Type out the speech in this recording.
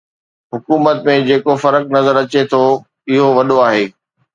حڪومت ۾ جيڪو فرق نظر اچي ٿو اهو وڏو آهي